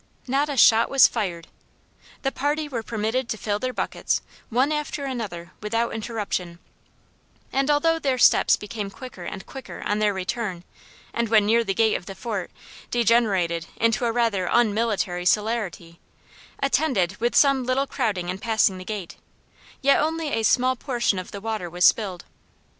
Not a shot was fired. The party were permitted to fill their buckets, one after another, without interruption, and although their steps became quicker and quicker, on their return, and when near the gate of the fort, degenerated into a rather un military celerity, attended with some little crowding in passing the gate, yet only a small portion of the water was spilled.